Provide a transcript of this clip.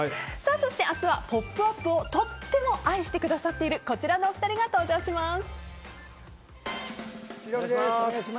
そして明日は「ポップＵＰ！」をとっても愛してくださっているこちらのお二人が登場します。